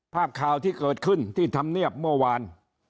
ภาพข่าวที่เกิดขึ้นที่ธรรมเนียบเมื่อวาน